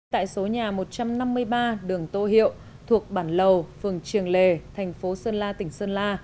tại số nhà một trăm năm mươi ba đường tô hiệu thuộc bản lầu phường triềng lề thành phố sơn la tỉnh sơn la